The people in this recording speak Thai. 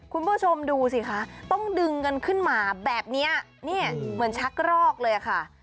คุณผู้ชมดูสิคะต้องดึงกันขึ้นมาแบบนี้เนี่ยเหมือนชักรอกเลยค่ะ